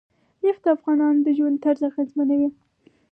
نفت د افغانانو د ژوند طرز اغېزمنوي.